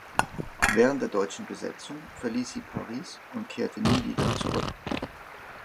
Während der deutschen Besetzung verließ sie Paris und kehrte nie wieder zurück.